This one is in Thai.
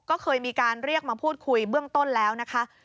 ก็เคยมีการเรียกมาพูดคุยเบื้องต้นแล้วนะคะ